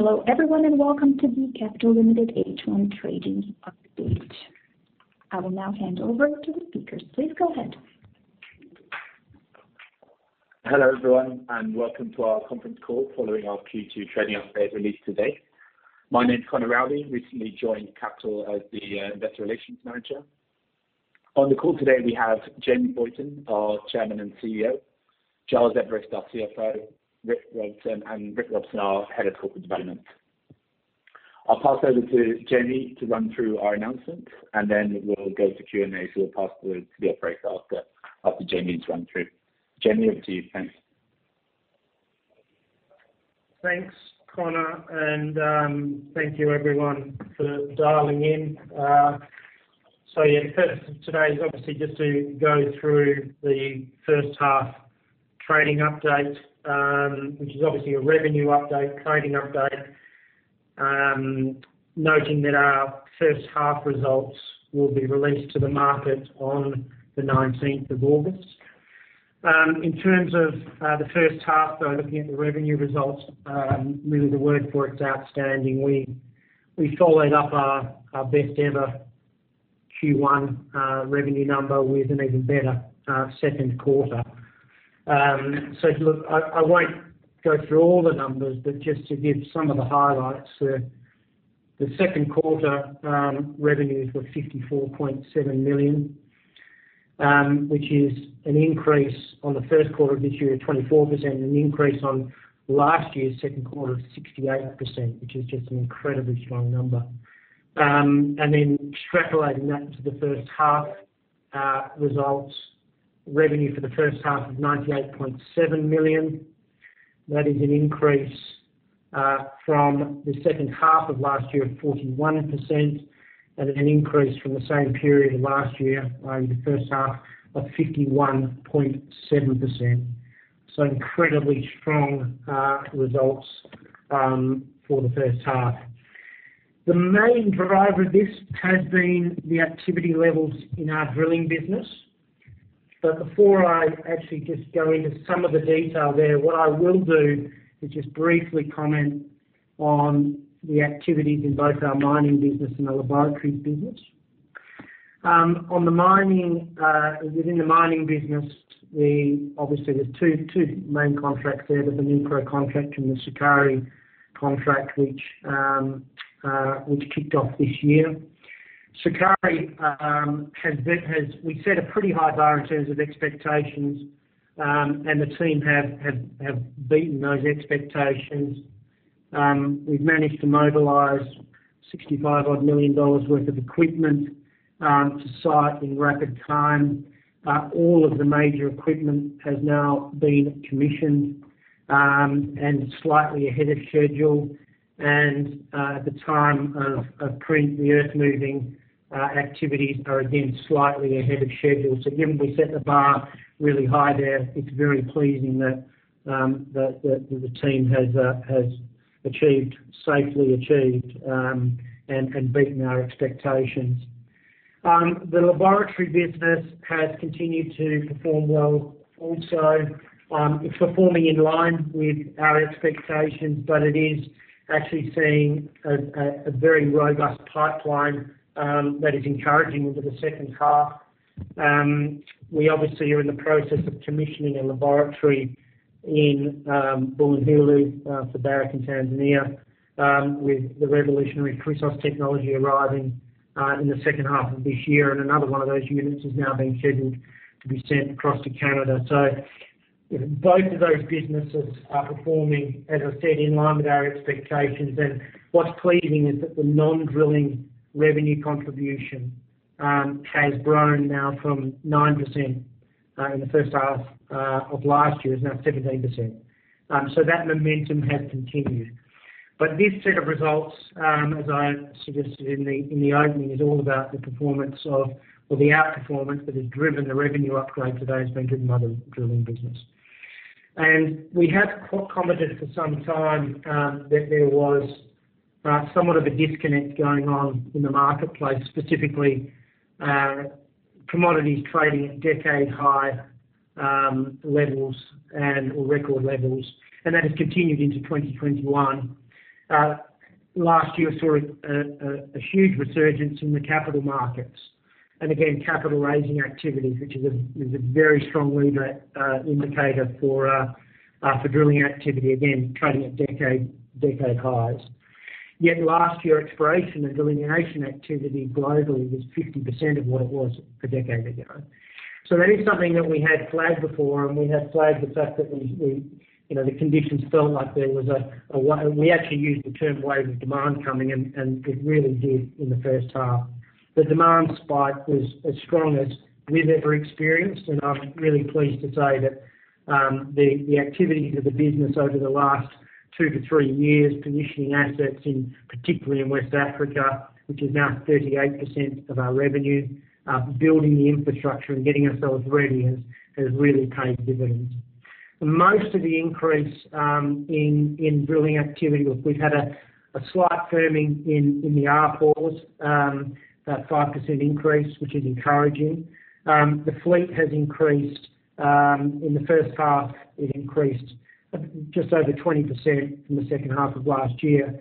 Hello everyone, and welcome to the Capital Limited H1 trading update. I will now hand over to the speakers. Please go ahead. Hello everyone, and welcome to our conference call following our Q2 trading update release today. My name is Conor Rowley, recently joined Capital as the Investor Relations Manager. On the call today, we have Jamie Boyton, our Chairman and CEO, Giles Everist, our CFO, Rick Robson, our Head of Corporate Development. I'll pass over to Jamie to run through our announcements and then we'll go to Q&A. We'll pass the floor to Giles right after Jamie's run through. Jamie, over to you. Thanks. Thanks Conor, and thank you everyone for dialing in. The purpose of today's obviously just to go through the first half trading update, which is obviously a revenue update, trading update, noting that our first half results will be released to the market on the 19th of August. In terms of the first half though, looking at the revenue results, really the word for it's outstanding. We followed up our best ever Q1 revenue number with an even better second quarter. I won't go through all the numbers, but just to give some of the highlights. The second quarter revenues were $54.7 million, which is an increase on the first quarter of this year of 24%, an increase on last year's second quarter of 68%, which is just an incredibly strong number. Then extrapolating that into the first half results, revenue for the first half of $98.7 million. That is an increase from the second half of last year of 41% and an increase from the same period of last year in the first half of 51.7%. Incredibly strong results for the first half. The main driver of this has been the activity levels in our drilling business. Before I actually just go into some of the detail there, what I will do is just briefly comment on the activities in both our mining business and our laboratory business. Within the mining business, obviously there's two main contracts there. The Limkok contract and the Sukari contract, which kicked off this year. Sukari, we set a pretty high bar in terms of expectations, and the team have beaten those expectations. We've managed to mobilize $65-odd million worth of equipment to site in rapid time. All of the major equipment has now been commissioned, and slightly ahead of schedule. At the time of print, the earth-moving activities are again slightly ahead of schedule. Again, we set the bar really high there. It's very pleasing that the team has safely achieved and beaten our expectations. The laboratory business has continued to perform well also. It's performing in line with our expectations, but it is actually seeing a very robust pipeline that is encouraging for the second half. We obviously are in the process of commissioning a laboratory in Bulyanhulu for Barrick in Tanzania, with the revolutionary Chrysos technology arriving in the second half of this year, and another one of those units has now been scheduled to be sent across to Canada. Both of those businesses are performing, as I said, in line with our expectations, and what's pleasing is that the non-drilling revenue contribution has grown now from 9% in the first half of last year is now 17%. That momentum has continued. This set of results, as I suggested in the opening, is all about the performance of, or the outperformance that has driven the revenue upgrade today has been driven by the drilling business. We have commented for some time that there was somewhat of a disconnect going on in the marketplace, specifically, commodities trading at decade-high levels and record levels, and that has continued into 2021. Last year saw a huge resurgence in the capital markets, and again, capital raising activities, which is a very strong lead indicator for drilling activity, again, trading at decade highs. Last year exploration and delineation activity globally was 50% of what it was a decade ago. That is something that we had flagged before, and we have flagged the fact that the conditions felt like there was a wave of demand coming and it really did in the first half. The demand spike was as strong as we've ever experienced, and I'm really pleased to say that the activities of the business over the last two to three years, commissioning assets in particularly in West Africa, which is now 38% of our revenue, building the infrastructure and getting ourselves ready has really paid dividends. Most of the increase in drilling activity, look, we've had a slight firming in the hourly rates, that 5% increase, which is encouraging. The fleet has increased. In the first half, it increased just over 20% from the second half of last year.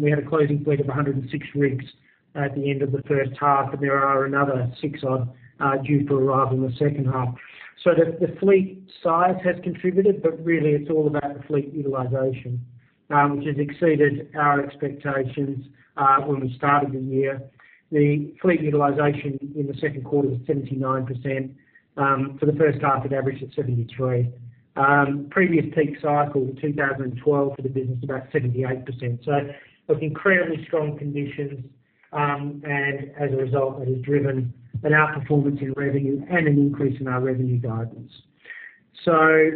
We had a closing fleet of 106 rigs at the end of the first half, and there are another 6 due to arrive in the second half. The fleet size has contributed, but really it's all about fleet utilization, which has exceeded our expectations on the start of the year. The fleet utilization in the second quarter is 79%. For the first half, it averaged at 73%. Previous peak cycle, 2012, for the business, about 78%. Incredibly strong conditions, and as a result, it has driven an outperformance in revenue and an increase in our revenue guidance.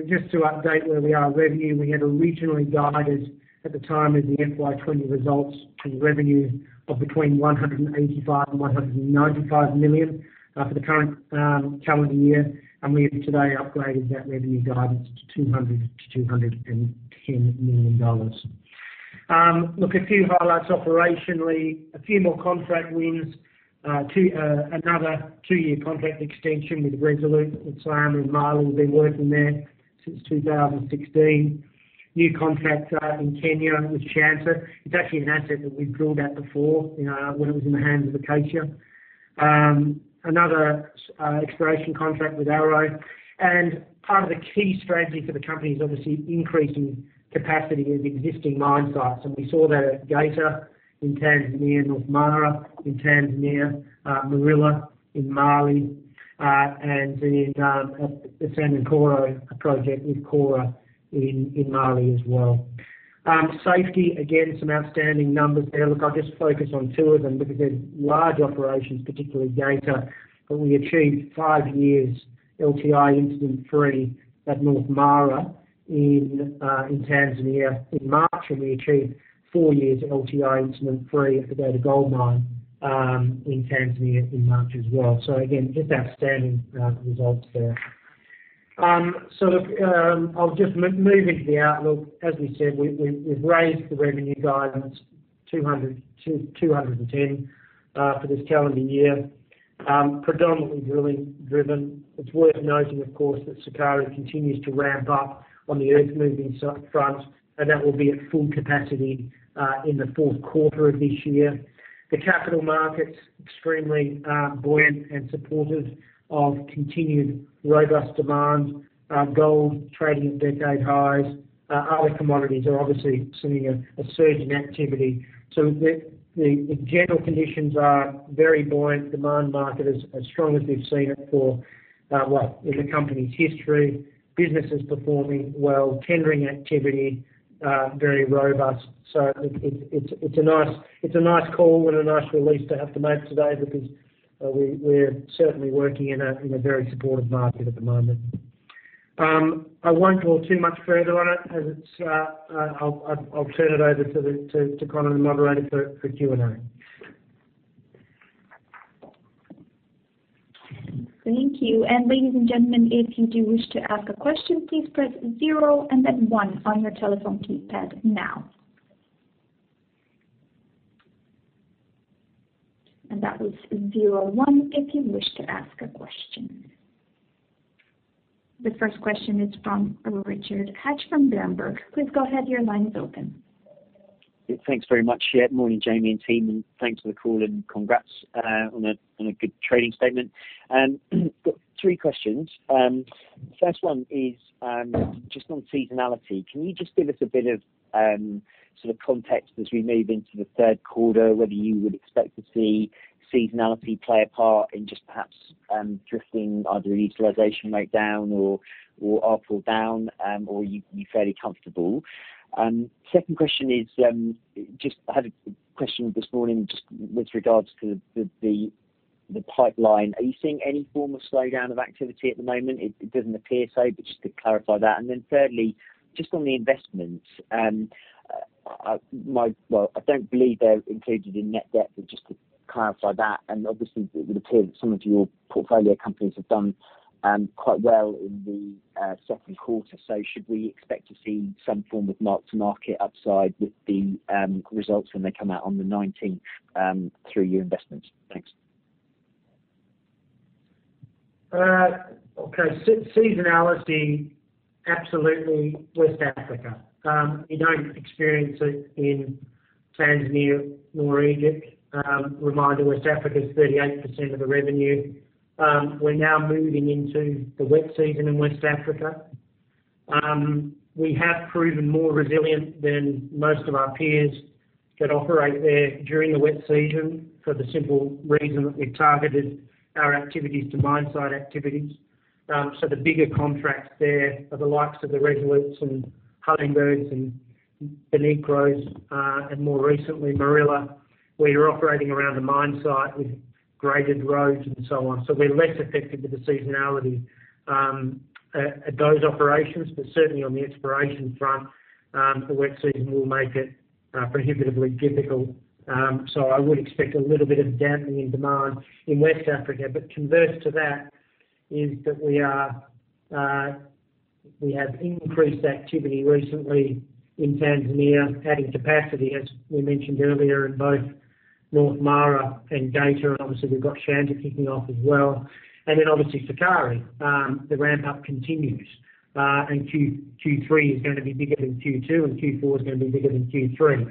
Just to update where we are, revenue, we had originally guided at the time of the FY 2020 results to revenue of between $185 million and $195 million for the current calendar year. We have today upgraded that revenue guidance to $200 million-$210 million. Look, a few highlights operationally. A few more contract wins. Another two-year contract extension with Resolute at Syama in Mali has been working there since 2016. New contract out in Kenya with Shanta. It's actually an asset that we built out before, when it was in the hands of Acacia. Another exploration contract with Arrow. Part of the key strategy for the company is obviously increasing capacity of existing mine sites. We saw that at Geita in Tanzania, North Mara in Tanzania, Morila in Mali, and the Sanankoro project with Cora in Mali as well. Safety, again, some outstanding numbers there. Look, I'll just focus on two of them because they're large operations, particularly Geita, but we achieved five years LTI incident-free at North Mara in Tanzania in March, and we achieved four years LTI incident-free at the Geita Gold Mine, in Tanzania in March as well. Again, just outstanding results there. Look, I'll just move into the outlook. As we said, we've raised the revenue guidance to $210 for this calendar year. Predominantly volume driven. It's worth noting, of course, that Sukari continues to ramp up on the earth moving front, and that will be at full capacity in the fourth quarter of this year. The capital markets extremely buoyant and supportive of continued robust demand. Gold trading at decade highs. Other commodities are obviously seeing a surge in activity. The general conditions are very buoyant. Demand market is as strong as we've seen it for in the company's history. Business is performing well. Tendering activity, very robust. It's a nice call and a nice release to have to make today because, we are certainly working in a very supportive market at the moment. I won't talk too much further on it as I'll turn it over to the moderator for Q&A. Thank you. Ladies and gentlemen, if you do wish to ask a question, please press zero and then one on your telephone keypad now. That was zero, one if you wish to ask a question. The first question is from Richard Hatch from Berenberg. Please go ahead. Your line is open. Thanks very much. Morning, Jamie and team, and thanks for the call and congrats on a good trading statement. Got three questions. First one is, just on seasonality. Can you just give us a bit of context as we move into the third quarter, whether you would expect to see seasonality play a part in just perhaps drifting either utilization rate down or ore fall down, or are you fairly comfortable? Second question is, just had a question this morning just with regards to the pipeline. Are you seeing any form of slowdown of activity at the moment? It doesn't appear so, but just to clarify that. Then thirdly, just on the investments. Well, I don't believe they're included in net debt, but just to clarify that, and obviously it would appear that some of your portfolio companies have done quite well in the second quarter. Should we expect to see some form of mark-to-market upside with the results when they come out on the 19th, through your investments? Thanks. Okay. Seasonality, absolutely West Africa. You don't experience it in Tanzania, nor Egypt. Remind you, West Africa is 38% of the revenue. We're now moving into the wet season in West Africa. We have proven more resilient than most of our peers that operate there during the wet season for the simple reason that we've targeted our activities to mine site activities. The bigger contracts there are the likes of the Resolute's and Hummingbird's and Bonikro's, and more recently, Morila. We are operating around the mine site with graded roads and so on. We're less affected with the seasonality at those operations, but certainly on the exploration front, the wet season will make it prohibitively difficult. I would expect a little bit of dampening in demand in West Africa. Converse to that is that, we have increased activity recently in Tanzania, adding capacity, as we mentioned earlier, in both North Mara and Geita. We've got Shanta kicking off as well. Sukari, the ramp-up continues. Q3 is going to be bigger than Q2, and Q4 is going to be bigger than Q3.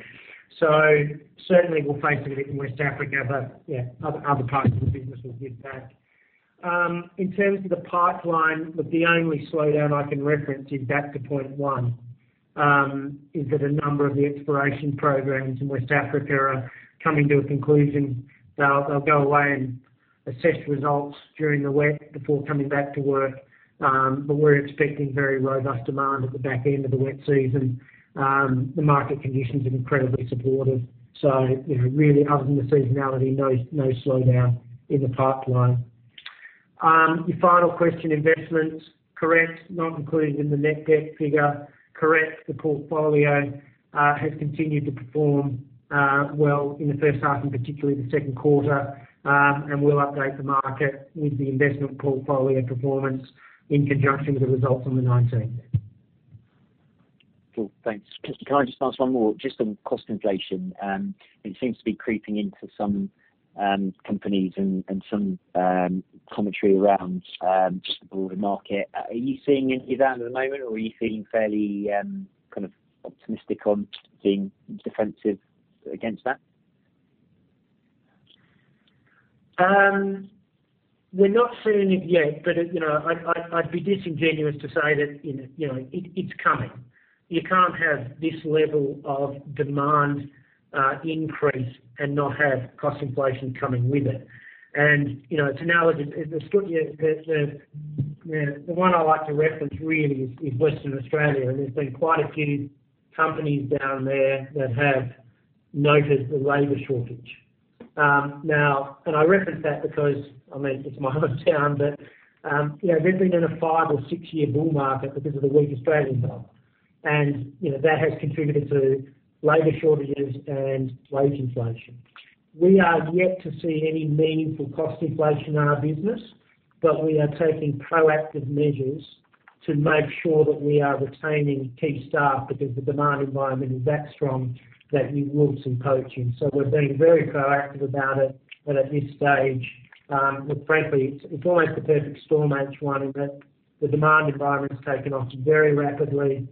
Certainly, we'll face a bit in West Africa, but other parts of the business will give back. In terms of the pipeline, the only slowdown I can reference is back to point one, is that a number of the exploration programs in West Africa are coming to a conclusion. They'll go away and assess results during the wet before coming back to work. We're expecting very robust demand at the back end of the wet season. The market conditions are incredibly supportive. Really, other than seasonality, no slowdown in the pipeline. Your final question, investment. Correct, not included in the net debt figure. Correct, the portfolio has continued to perform well in the first half, and particularly the second quarter, and we will update the market with the investment portfolio performance in conjunction with the results on the 19th. Cool. Thanks. Can I just ask one more just on cost inflation? It seems to be creeping into some companies and some commentary around the broader market. Are you seeing it in Ghana at the moment, or are you feeling fairly optimistic on being defensive against that? We're not seeing it yet, but I'd be disingenuous to say that it's coming. You can't have this level of demand increase and not have cost inflation coming with it. It's analogous. The one I like to reference really is Western Australia. There's been quite a few companies down there that have noted the labor shortage. I reference that because, it's my hometown, but they've been in a five or six-year bull market because of the weak Australian dollar, and that has contributed to labor shortages and wage inflation. We are yet to see any meaningful cost inflation in our business, but we are taking proactive measures to make sure that we are retaining key staff because the demand environment is that strong that we will see costing. We're being very proactive about it, but at this stage, frankly, it's almost the perfect storm, H1, that the demand environment's taken off very rapidly,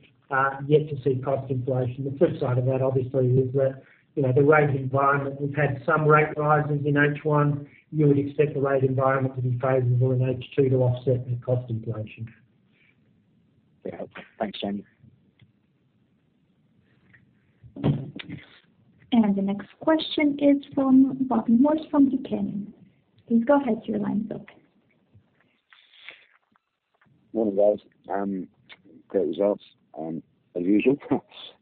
yet to see cost inflation. The flip side of that, obviously, is that the wage environment, we've had some rate rises in H1. You would expect the wage environment to be favorable in H2 to offset any cost inflation. Okay. Thanks, Jamie. The next question is from Bobby Morse from Buchanan. Please go ahead, your line's open. Morning, guys. Great results as usual.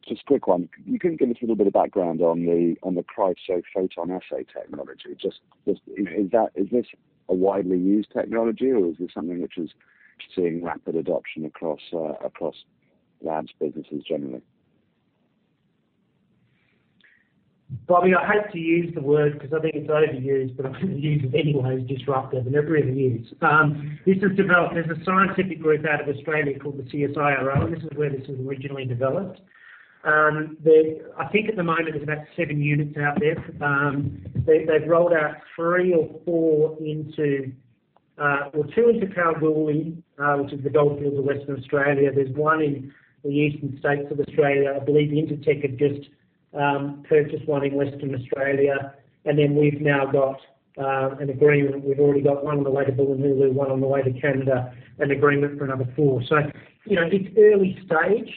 Just a quick one. If you can give us a little bit of background on the Chrysos PhotonAssay technology. Is this a widely used technology, or is this something which is seeing rapid adoption across labs, businesses generally? Bobby, I hate to use the word because I think it's overused, but I was going to use it anyway, is disruptive, and it really is. There's a scientific group out of Australia called the CSIRO, this is where this was originally developed. I think at the moment, there's about seven units out there. They've rolled out three or four into Well, two into Kalgoorlie, which is the Goldfields of Western Australia. There's one in the eastern states of Australia. I believe Intertek have just purchased one in Western Australia, and then we've now got an agreement. We've already got one on the way to Bulyanhulu, one on the way to Canada, an agreement for number four. It's early stage,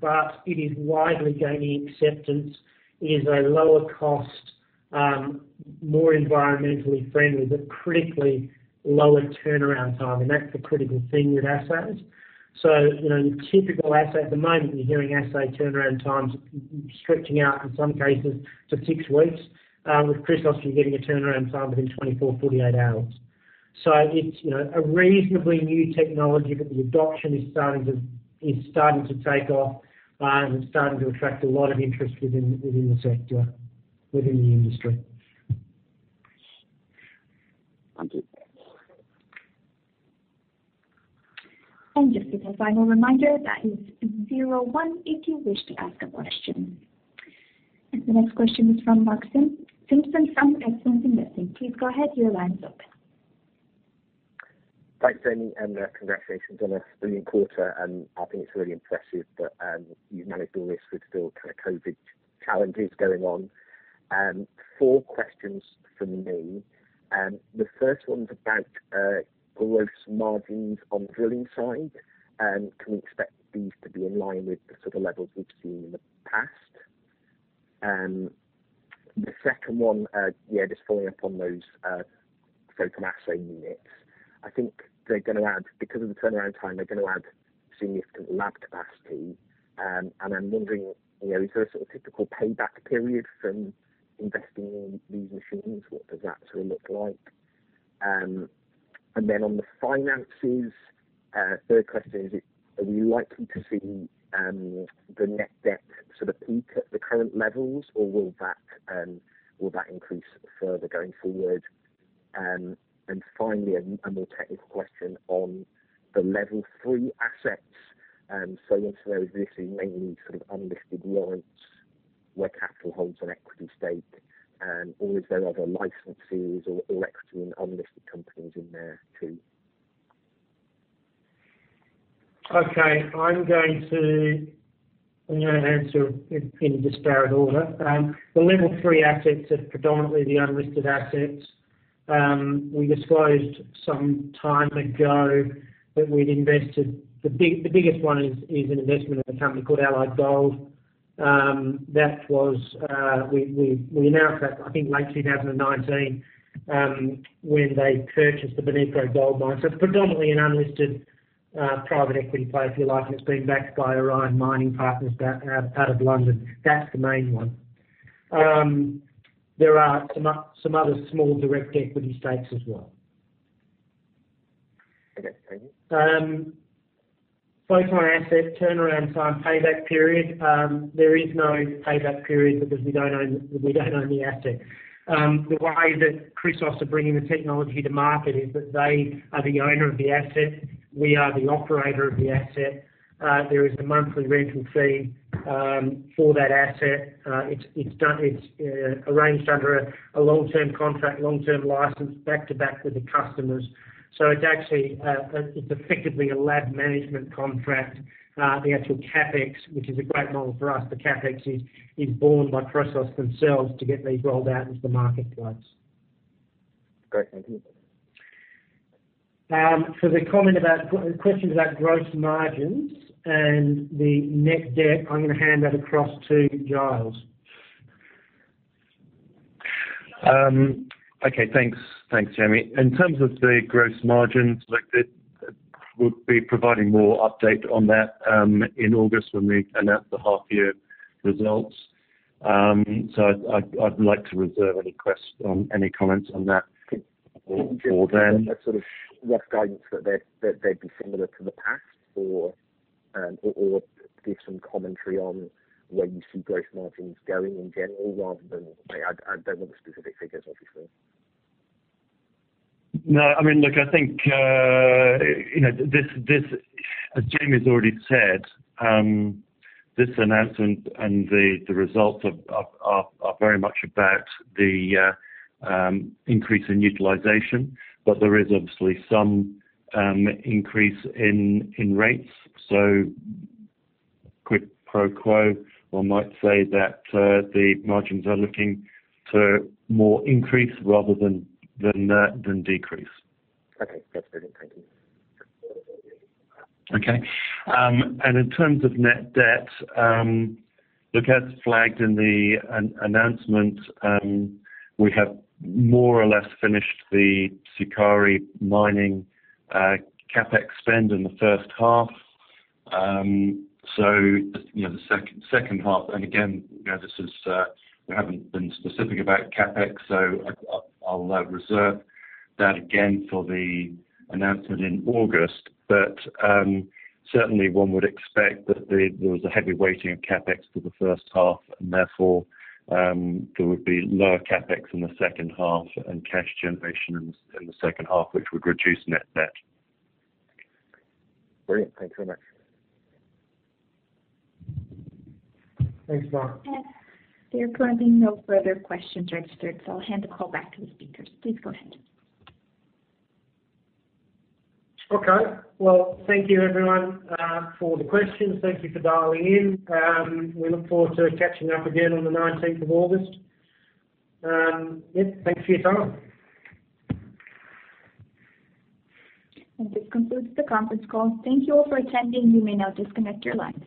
but it is widely gaining acceptance. It is a lower cost, more environmentally friendly, but critically, lower turnaround time, that's the critical thing with assays. In a typical assay at the moment, you're doing assay turnaround times stretching out in some cases to six weeks. With Chrysos, you're getting a turnaround time within 24-48 hours. It's a reasonably new technology, but the adoption is starting to take off and starting to attract a lot of interest within the sector, within the industry. Just as a final reminder, that is zero one if you wish to ask a question. The next question is from Martin Finstein at Swinton Investing. Please go ahead, your line's open. Thanks, jamie, and congratulations on a brilliant quarter. I think it's really impressive that you managed all this with still COVID challenges going on. Four questions from me. The first one's about gross margins on the drilling side. Can we expect these to be in line with the sort of levels we've seen in the past? The second one, just following up on those PhotonAssay units. I think because of the turnaround time, they're going to add significant lab capacity, and I'm wondering, is there a typical payback period from investing in these machines? What does that actually look like? On the finances, third question, are we likely to see the net debt sort of peak at the current levels, or will that increase further going forward? Finally, I'm going to take a question on the level three assets. I'm assuming those are mainly some unlisted warrants where Capital holds an equity stake, or is there other licensees or equity in unlisted companies in there too? Okay. I'm going to answer in disparate order. The level three assets are predominantly the unlisted assets. We disclosed some time ago that we'd invested. The biggest one is an investment in a company called Allied Gold. We announced that, I think, in 2019, when they purchased the Bonikro Gold Mine. Predominantly an unlisted private equity play, if you like. It's been backed by Orion Mine Finance out of London. That's the main one. There are some other small direct equity stakes as well. Okay. Thank you. Both my asset turnaround time payback period, there is no payback period because we don't own the asset. The way that Chrysos are bringing the technology to market is that they are the owner of the asset. We are the operator of the asset. There is a monthly rental fee for that asset. It's arranged under a long-term contract, long-term license, back-to-back with the customers. It's effectively a lab management contract. The actual CapEx, which is a great model for us, the CapEx is borne by Chrysos themselves to get these rolled out into the marketplace. Great. Thank you. For the question about gross margins and the net debt, I'm going to hand that across to Giles. Okay. Thanks, Jamie. In terms of the gross margins, we'll be providing more update on that in August when we announce the half year results. I'd like to reserve any comments on that for then. Can you give a rough guidance that they'd be similar to the past? Give some commentary on where you see gross margins going again, rather than, I don't want specific figures, obviously. No, I think, as Jamie's already said, this announcement and the results are very much about the increase in utilization. There is obviously some increase in rates. Quid pro quo, one might say that the margins are looking to more increase rather than decrease. Okay. That's really helpful. Okay. In terms of net debt, look, as flagged in the announcement, we have more or less finished the Sukari Mining CapEx spend in the first half. The second half, and again, we haven't been specific about CapEx, so I'll reserve that again for the announcement in August. Certainly one would expect that there was a heavy weighting of CapEx for the first half, and therefore there would be lower CapEx in the second half and cash generation in the second half, which would reduce net debt. Brilliant. Thanks so much. Thanks, Martin. There are currently no further questions registered, so I'll hand the call back to the speakers. Please go ahead. Okay. Well, thank you everyone for the questions. Thank you for dialing in. We look forward to catching up again on the 19th of August. Yeah, thanks for your time. This concludes the conference call. Thank you all for attending. You may now disconnect your lines.